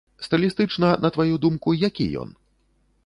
Стылістычна, на тваю думку, які ён?